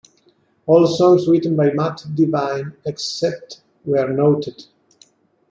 All songs written by Mat Devine, except where noted.